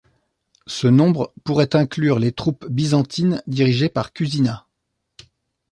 Ce nombre pourrait inclure les troupes byzantines dirigées par Cusina.